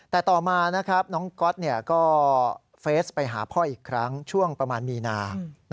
แต่ต่อมาน้องก๊อตก็เฟสไปหาพ่ออีกครั้งช่วงประมาณมีนา